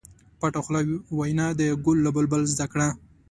پټه خوله وینا د ګل له بلبل زده کړه.